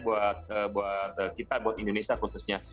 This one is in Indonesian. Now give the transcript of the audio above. buat kita buat indonesia khususnya